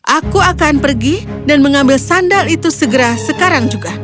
aku akan pergi dan mengambil sandal itu segera sekarang juga